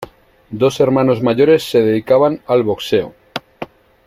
Dos hermanos mayores se dedicaban al boxeo.